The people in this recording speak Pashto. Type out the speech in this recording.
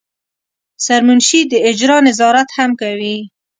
سرمنشي د اجرا نظارت هم کوي.